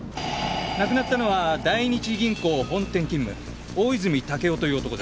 亡くなったのは大日銀行本店勤務大泉武男という男で。